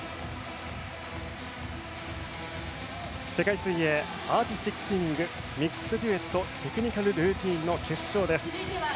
世界水泳アーティスティックスイミングミックスデュエットテクニカルルーティンの決勝です。